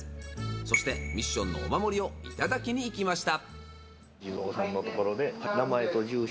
そしてミッションのお守りをいただきに行きました。